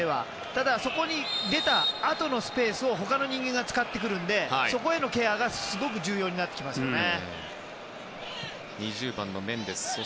ただ、そこに出たあとのスペースを他の人間が使ってくるので、そこへのケアがすごく重要になりますね。